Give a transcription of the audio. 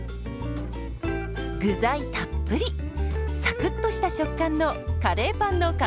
具材たっぷりサクッとした食感のカレーパンの完成です。